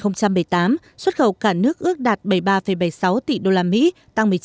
năm hai nghìn một mươi tám xuất khẩu cả nước ước đạt bảy mươi ba bảy mươi sáu tỷ usd tăng một mươi chín